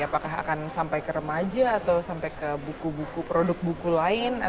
apakah akan sampai ke remaja atau sampai ke buku buku produk buku lain